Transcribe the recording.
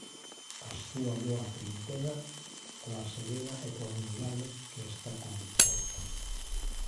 A súa boa trintena, coa serena ecuanimidade que esta comporta.